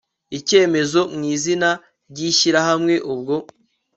icyemezo mu izina ry ishyirahamwe Ubwo